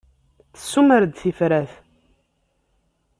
Tessumer-d tifrat.